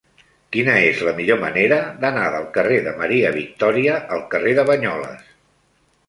Quina és la millor manera d'anar del carrer de Maria Victòria al carrer de Banyoles?